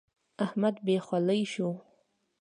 احمد بې خولې شو.